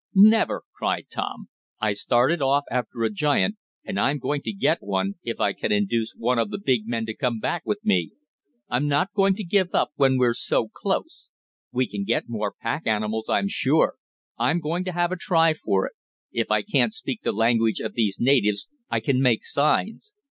"Never!" cried Tom. "I started off after a giant, and I'm going to get one, if I can induce one of the big men to come back with me. I'm not going to give up when we're so close. We can get more pack animals, I'm sure. I'm going to have a try for it. If I can't speak the language of these natives I can make signs.